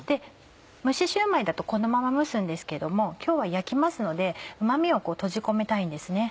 蒸しシューマイだとこのまま蒸すんですけども今日は焼きますのでうま味を閉じ込めたいんですね。